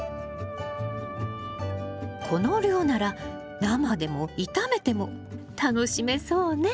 この量なら生でも炒めても楽しめそうね。